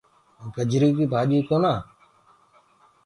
گجري ڪي ڀآجي ڪونآ هئي۔